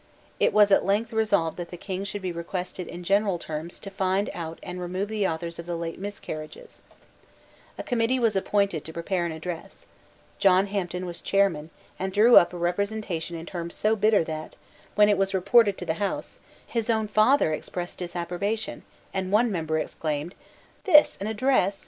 It was at length resolved that the King should be requested in general terms to find out and to remove the authors of the late miscarriages, A committee was appointed to prepare an Address. John Hampden was chairman, and drew up a representation in terms so bitter that, when it was reported to the House, his own father expressed disapprobation, and one member exclaimed: "This an address!